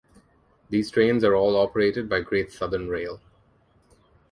These trains are all operated by Great Southern Rail.